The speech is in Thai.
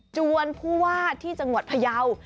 จวนผู้ว่าที่จังหวัดพยาว